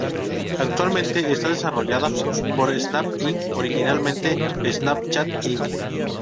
Actualmente está desarrollada por Snap Inc., originalmente Snapchat Inc.